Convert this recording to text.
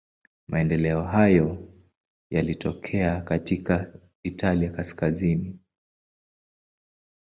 Maendeleo hayo yalitokea katika Italia kaskazini.